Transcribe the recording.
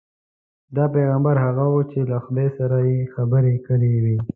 دا پیغمبر هغه وو چې له خدای سره یې خبرې کړې وې.